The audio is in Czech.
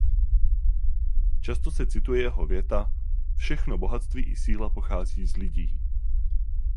Často se cituje jeho věta „Všechno bohatství i síla pochází z lidí“.